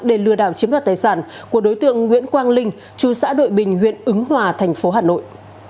để lừa đảo chiếm đoạt tài sản của đối tượng nguyễn quang linh chú xã đội bình huyện ứng hòa thành phố hà nội